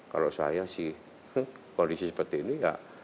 kalau saya sih kondisi seperti ini ya